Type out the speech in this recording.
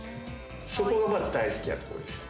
そこがまず大好きなところです。